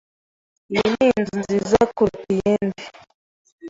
Iyi ni inzu nziza kuruta iyindi.